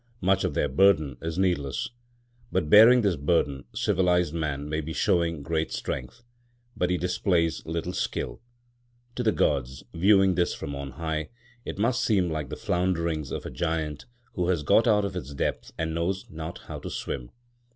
Much of their burden is needless. By bearing this burden civilised man may be showing great strength, but he displays little skill. To the gods, viewing this from on high, it must seem like the flounderings of a giant who has got out of his depth and knows not how to swim.